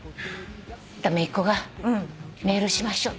めいっ子が「メールしましょう」